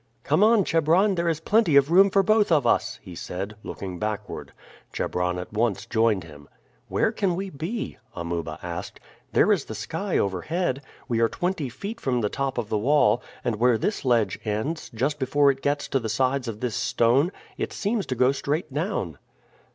"Come on, Chebron; there is plenty of room for both of us," he said, looking backward. Chebron at once joined him. "Where can we be?" Amuba asked. "There is the sky overhead. We are twenty feet from the top of the wall, and where this ledge ends, just before it gets to the sides of this stone, it seems to go straight down."